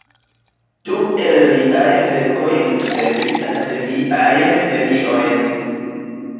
Du el liaj verkoj ricevis akademiajn premiojn.